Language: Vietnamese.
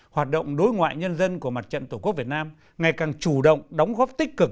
hoạt động đối ngoại nhân dân của mặt trận tổ quốc việt nam ngày càng chủ động đóng góp tích cực